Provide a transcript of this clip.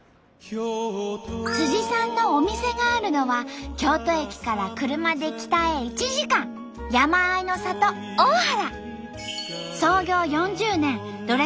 さんのお店があるのは京都駅から車で北へ１時間山あいの里大原。